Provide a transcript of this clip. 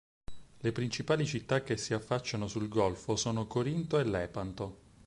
Le principali città che si affacciano sul golfo sono Corinto e Lepanto.